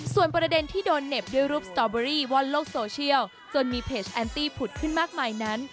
ส่วนประเด็นที่โดนเหน็บด้วยรูปสตอเบอรี่ว่อนโลกโซเชียลจนมีเพจแอนตี้ผุดขึ้นมากมายนั้น